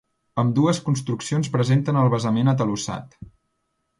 Ambdues construccions presenten el basament atalussat.